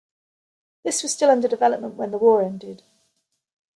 This was still under development when the war ended.